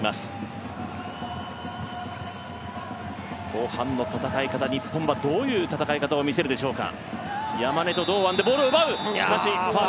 後半の戦い方、日本はどういう戦い方を見せるでしょうか。